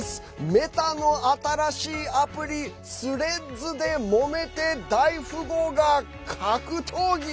メタの新しいアプリスレッズでもめて大富豪が格闘技？